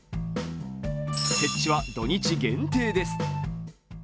設置は土日限定です。